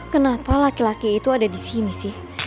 kenapa laki laki itu ada di sini sih